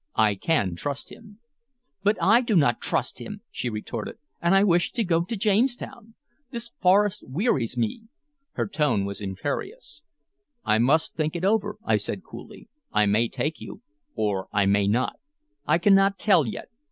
I can trust him." "But I do not trust him!" she retorted. "And I wish to go to Jamestown. This forest wearies me." Her tone was imperious. "I must think it over," I said coolly. "I may take you, or I may not. I cannot tell yet."